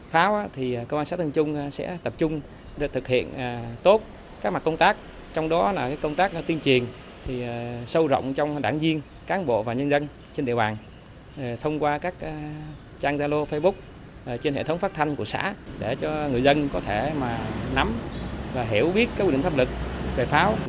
pháo thì công an xã tân trung sẽ tập trung để thực hiện tốt các mặt công tác trong đó là công tác tiên triền sâu rộng trong đảng viên cán bộ và nhân dân trên địa bàn thông qua các trang giao lô facebook trên hệ thống phát thanh của xã để cho người dân có thể nắm và hiểu biết quy định thấp lực về pháo